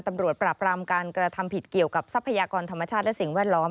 ตำรวจปราบรามการกระทำผิดเกี่ยวกับทรัพยากรธรรมชาติและสิ่งแวดล้อม